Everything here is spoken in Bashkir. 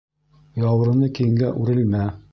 Яурыны киңгә үрелмә.